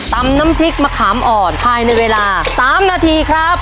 ตำน้ำพริกมะขามอ่อนภายในเวลา๓นาทีครับ